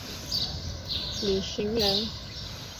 李绚人。